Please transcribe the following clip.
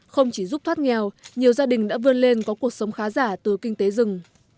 không chỉ giúp thoát nghèo nhiều gia đình đã vươn lên có cuộc sống khá giả từ kinh tế rừng